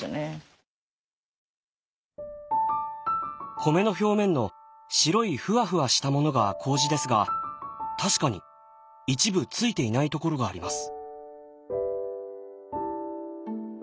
米の表面の白いふわふわしたものが麹ですが確かに一部ついていない所があります。